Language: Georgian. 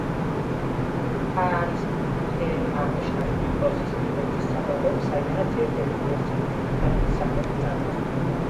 ფარის ფერი აღნიშნავს კვიპროსის სპილენძის საბადოებს, საიდანაც, ერთ-ერთი ვერსიით, თვით ქვეყნის სახელიც წარმოსდგება.